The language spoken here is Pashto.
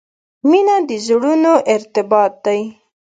• مینه د زړونو ارتباط دی.